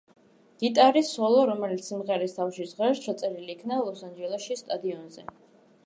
გიტარის სოლო, რომელიც სიმღერის თავში ჟღერს, ჩაწერილი იქნა ლოს-ანჯელესში, სტადიონზე.